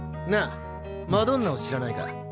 なあマドンナを知らないか？